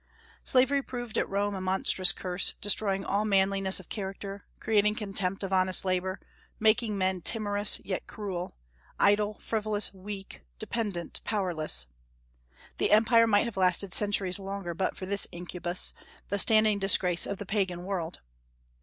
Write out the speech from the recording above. Slavery proved at Rome a monstrous curse, destroying all manliness of character, creating contempt of honest labor, making men timorous yet cruel, idle, frivolous, weak, dependent, powerless. The empire might have lasted centuries longer but for this incubus, the standing disgrace of the Pagan world.